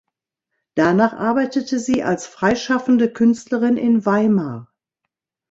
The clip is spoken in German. Danach arbeitete sie als freischaffende Künstlerin in Weimar.